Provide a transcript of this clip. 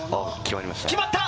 決まった！